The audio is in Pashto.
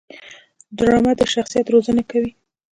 ډرامه د شخصیت روزنه کوي